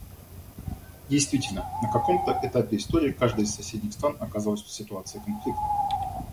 Действительно, на каком-то этапе истории каждая из соседних стран оказывалась в ситуации конфликта.